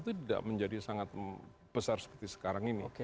itu tidak menjadi sangat besar seperti sekarang ini